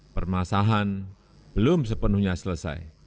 permasahan belum sepenuhnya selesai